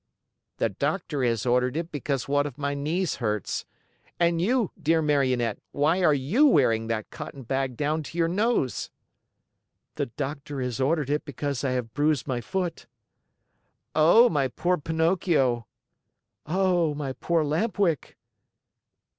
"The doctor has ordered it because one of my knees hurts. And you, dear Marionette, why are you wearing that cotton bag down to your nose?" "The doctor has ordered it because I have bruised my foot." "Oh, my poor Pinocchio!" "Oh, my poor Lamp Wick!"